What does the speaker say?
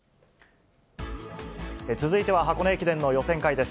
続いては箱根駅伝の予選会です。